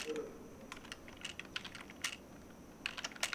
তাহলে আমি কালকে কাগজপত্র আনছি।